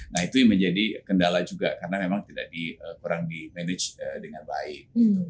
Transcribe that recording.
nah itu yang menjadi kendala juga karena memang tidak kurang di manage dengan baik